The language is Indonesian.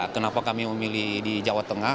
kenapa kami memilih di jawa tengah